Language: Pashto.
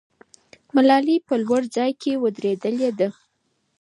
ملالۍ په لوړ ځای کې ودرېدلې ده.